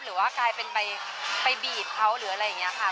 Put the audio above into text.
หรือว่ากลายเป็นไปบีบเขาหรืออะไรอย่างนี้ค่ะ